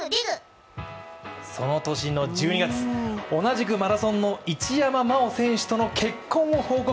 その年の１２月、同じくマラソンの一山麻緒選手との結婚を報告。